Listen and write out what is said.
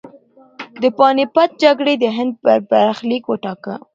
د پاني پت جګړې د هند برخلیک وټاکه.